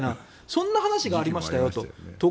そんな話がありましたよと。